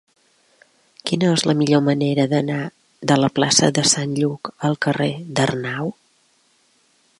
Quina és la millor manera d'anar de la plaça de Sant Lluc al carrer d'Arnau?